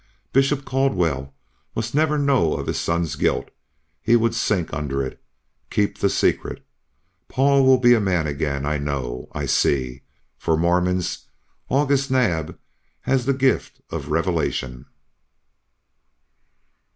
Bishop Caldwell must never know of his son's guilt. He would sink under it. Keep the secret. Paul will be a man again. I know. I see. For, Mormons, August Naab has the gift of revelation!"